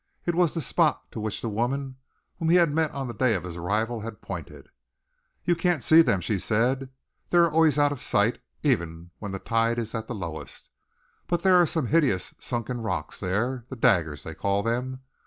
It was the spot to which the woman whom he had met on the day of his arrival had pointed. "You can't see them," she said; "they are always out of sight, even when the tide is at the lowest but there are some hideous sunken rocks there. 'The Daggers,' they call them.